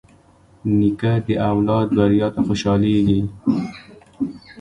نیکه د اولاد بریا ته خوشحالېږي.